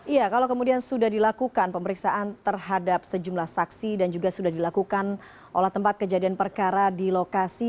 iya kalau kemudian sudah dilakukan pemeriksaan terhadap sejumlah saksi dan juga sudah dilakukan olah tempat kejadian perkara di lokasi